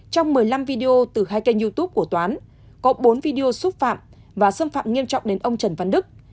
trong một mươi năm video từ hai kênh youtube của toán có bốn video xúc phạm và xâm phạm nghiêm trọng đến ông trần văn đức